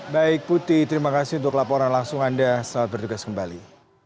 baik putih terima kasih untuk laporan langsung anda selamat bertugas kembali